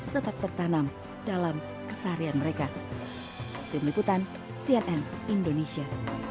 tetap tertanam dalam keseharian mereka